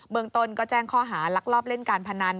เมืองต้นก็แจ้งข้อหาลักลอบเล่นการพนัน